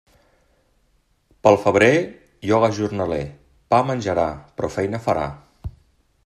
Pel febrer, lloga jornaler; pa menjarà, però feina farà.